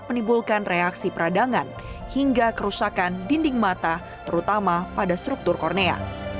menimbulkan reaksi peradangan hingga kerusakan dinding mata terutama pada struktur kornea